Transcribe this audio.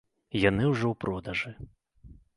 Яны ўжо ў продажы.